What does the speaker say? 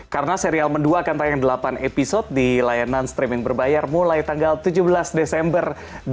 karena serial kedua akan tayang delapan episode di layanan streaming berbayar mulai tanggal tujuh belas desember dua ribu dua puluh dua